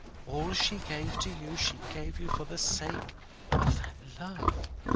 All she gave to you, she gave for the sake of that love.